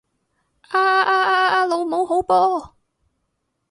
啊啊啊啊啊啊！老母好波！